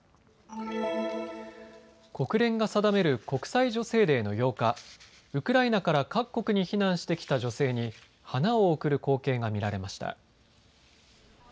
国連が定める国際女性デーの８日、ウクライナから各国に避難してきた女性に花を贈る光景が見られました。